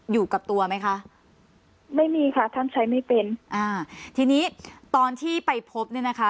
อยู่กับตัวไหมคะไม่มีค่ะท่านใช้ไม่เป็นอ่าทีนี้ตอนที่ไปพบเนี่ยนะคะ